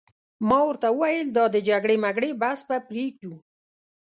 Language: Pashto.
ما ورته وویل: دا د جګړې مګړې بحث به پرېږدو.